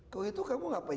kalau itu kamu ngapain